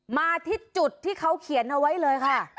มาที่จุดที่เขาเขียนเอาไว้เลยค่ะ